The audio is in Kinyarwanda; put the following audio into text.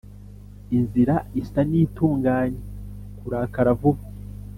Inzira isa n itunganye Kurakara vuba